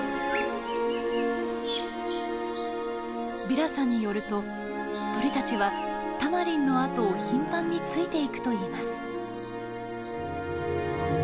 ビラさんによると鳥たちはタマリンの後を頻繁についていくと言います。